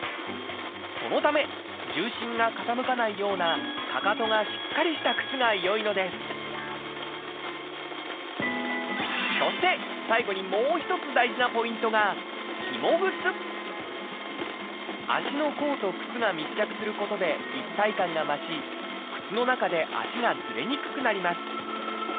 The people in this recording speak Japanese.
そのため重心が傾かないようなかかとがしっかりした靴が良いのですそして最後にもう一つ大事なポイントが足の甲と靴が密着することで一体感が増し靴の中で足がずれにくくなります